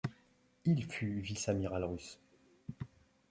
Il fut vice-amiral russe.